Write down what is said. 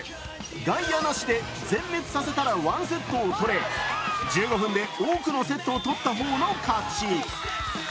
外野なしで全滅させたら１セットを取れ１５分で多くのセットを取ったほうの勝ち。